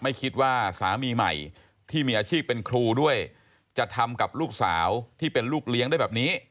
ไม่คิดว่าสามีใหม่ที่มีอาชีพเป็นครูด้วยจะทำกับลูกสาวที่เป็นลูกเลี้ยงได้แบบนี้